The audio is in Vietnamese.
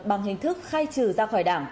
bằng hình thức khai trừ ra khỏi đảng